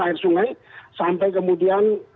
air sungai sampai kemudian